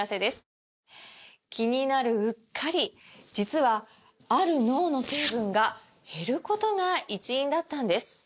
気になるうっかり実はある脳の成分が減ることが一因だったんです